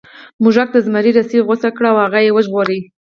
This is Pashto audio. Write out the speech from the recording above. موږک د زمري رسۍ غوڅې کړې او هغه یې وژغوره.